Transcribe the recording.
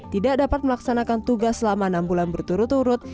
tidak dapat melaksanakan tugas selama enam bulan berturut turut